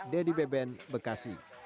dedy beben bekasi